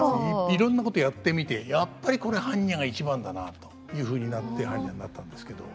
いろんなことやってみてやっぱりこれ般若が一番だなというふうになって般若になったんですけど。